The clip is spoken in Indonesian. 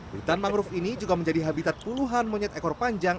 hutan mangrove ini juga menjadi habitat puluhan monyet ekor panjang